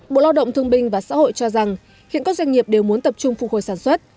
bộ lao động thương binh và xã hội cho rằng hiện các doanh nghiệp đều muốn tập trung phục hồi sản xuất